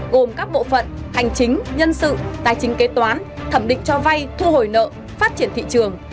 gồm các bộ phận hành chính nhân sự tài chính kế toán thẩm định cho vay thu hồi nợ phát triển thị trường